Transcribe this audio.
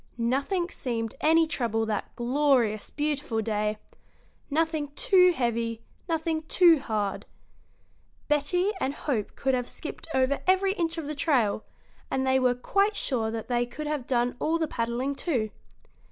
Nothing seemed any trouble that glorious, beautiful day nothing too heavy, nothing too hard. Betty and Hope could have skipped over every inch of the trail, and they were quite sure that they could have done all the paddling, too.